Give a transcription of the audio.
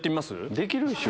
できるでしょ？